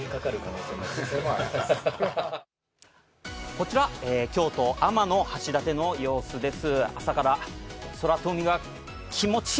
こちら、京都・天橋立の様子です。